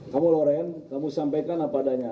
kamu loren kamu sampaikan apa adanya